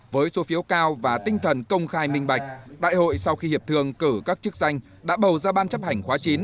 với số phiếu cao và tinh thần công khai minh bạch đại hội sau khi hiệp thường cử các chức danh đã bầu ra ban chấp hành khóa chín